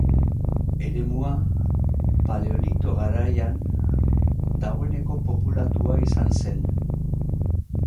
Eremua paleolito garaian dagoeneko populatua izan zen.